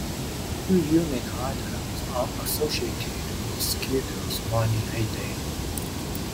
Two unique items are associated with Skidoo's mining heyday.